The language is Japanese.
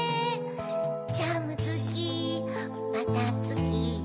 ジャムつきバターつき